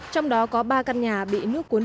trong đó có ba căn nhà bị nước quốc